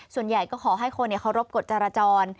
ส่วนใหญ่ก็ขอให้คนเคารพกฎจราจร